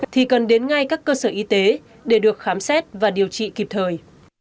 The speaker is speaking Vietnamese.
thì cần đến ngay các cơ sở y tế để được khám xét và điều trị kịp thời